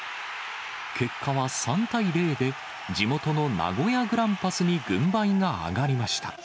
結果は３対０で、地元の名古屋グランパスに軍配が上がりました。